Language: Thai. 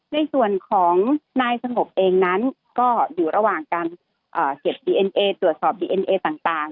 ในส่วนของนายสงบเองนั้นก็อยู่ระหว่างการเก็บดีเอ็นเอตรวจสอบดีเอ็นเอต่าง